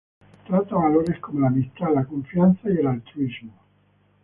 Trata valores como la amistad, la confianza y el altruismo.